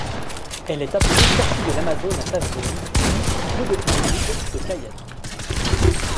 Elle est appelée Tortue de l'Amazone à taches jaunes ou Podocnémide de Cayenne.